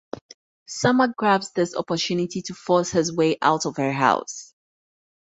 Samar grabs this opportunity to force his way out of her house.